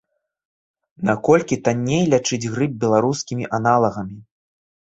Наколькі танней лячыць грып беларускімі аналагамі.